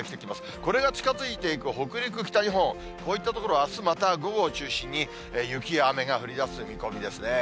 これが近づいていく北陸、北日本、こういった所、あすまた午後を中心に、雪や雨が降りだす見込みですね。